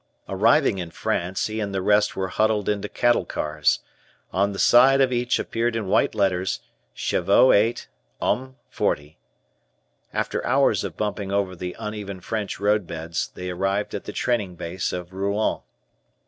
Arriving in France, he and the rest were huddled into cattle cars. On the side of each appeared in white letters, "Chevaux 8, Hommes 40." After hours of bumping over the uneven French road beds they arrived at the training base of Rouen.